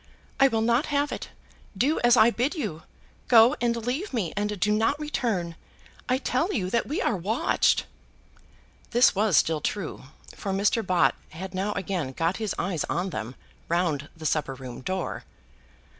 "I will not have it. Do as I bid you. Go and leave me, and do not return. I tell you that we are watched." This was still true, for Mr. Bott had now again got his eyes on them, round the supper room door.